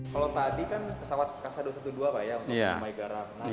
kalau tadi kan pesawat kasa dua ratus dua belas pak ya untuk mai garam